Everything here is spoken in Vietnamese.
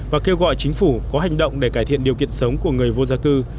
và kêu gọi chính phủ có hành động để cải thiện điều kiện sống của người vô gia cư